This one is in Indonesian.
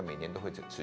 mungkin setiap tahun